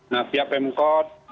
nah siap m code